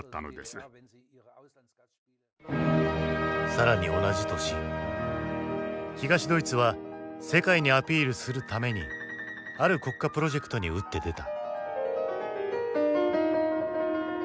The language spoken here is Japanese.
更に同じ年東ドイツは世界にアピールするためにある国家プロジェクトに打って出た。